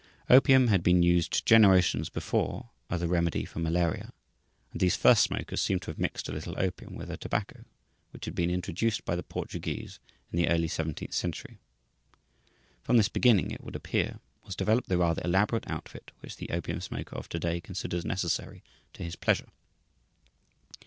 Opium had been used, generations before, as a remedy for malaria; and these first smokers seem to have mixed a little opium with their tobacco, which had been introduced by the Portuguese in the early seventeenth century. From this beginning, it would appear, was developed the rather elaborate outfit which the opium smoker of to day considers necessary to his pleasure.